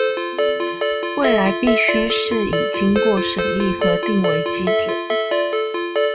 未來必須是以經過審議核定為基準